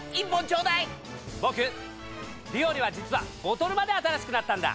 ボクビオレは実はボトルまで新しくなったんだ！